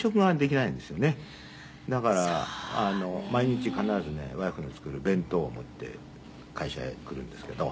だから毎日必ずねワイフの作る弁当を持って会社へ来るんですけど。